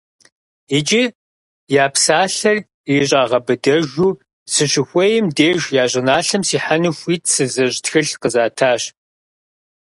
ИкӀи я псалъэр ирищӀагъэбыдэжу, сыщыхуейм деж я щӀыналъэм сихьэну хуит сызыщӀ тхылъ къызатащ.